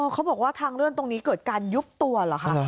เขาบอกว่าทางเลื่อนตรงนี้เกิดการยุบตัวเหรอคะ